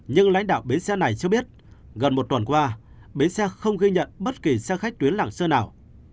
nhưng lãnh đạo bến xe này cho biết gần một tuần qua bến xe không ghi nhận bất kỳ xe khách tuyến lạng sơn nào